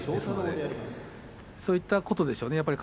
そういったことでしょうね。